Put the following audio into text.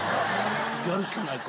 やるしかないか。